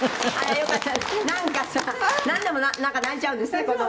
「なんかさなんでも泣いちゃうんですねこの頃」